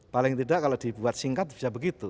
paling tidak kalau dibuat singkat bisa begitu